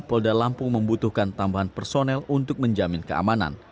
polda lampung membutuhkan tambahan personel untuk menjamin keamanan